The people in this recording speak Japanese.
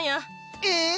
えっ？